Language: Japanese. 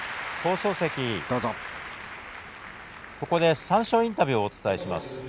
ここで三賞インタビューをお伝えします。